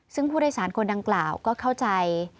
ซึ่งผู้โดยสารคนดังกล่าวก็เข้าใจ